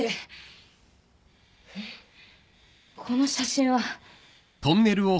この写真は。